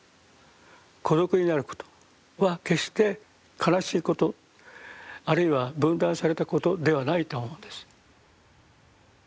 孤独になることは決して悲しいことあるいは分断されたことではないと思うんです。